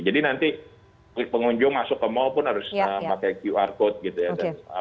jadi nanti pengunjung masuk ke mall pun harus pakai qr code gitu ya